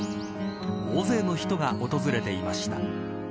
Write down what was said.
大勢の人が訪れていました。